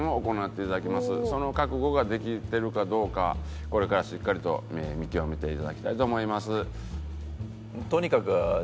その覚悟ができてるかどうかこれからしっかりと見極めていただきたいと思います。